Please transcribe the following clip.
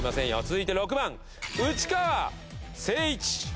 続いて６番内川聖一。